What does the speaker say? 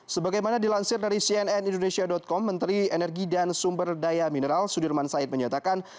sebagaimana dilansir dari cnn indonesia com menteri energi dan sumber daya mineral sudirman said menyatakan